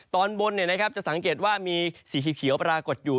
ตอนบนจะสังเกตว่ามีสีเขียวปรากฏอยู่